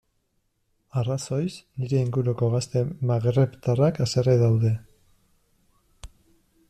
Arrazoiz, nire inguruko gazte magrebtarrak haserre daude.